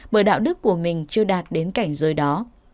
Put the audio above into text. bởi đạo đức của mình chưa đạt đến cảnh giới đó